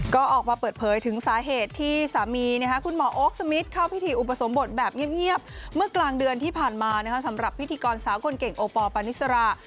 ก็ออกมาเปิดเผยถึงสาเหตุที่สามีคุณหมอโอ๊คสมิทเข้าพิธีอุปสมบทแบบเงียบเมื่อกลางเดือนที่ผ่านมาสำหรับพิธีกรสาวคนเก่งโอปอลปานิสรา